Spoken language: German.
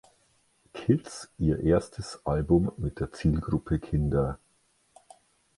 Kids ihr erstes Album mit der Zielgruppe Kinder.